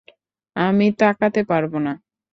আমি তাকাতে পারব না।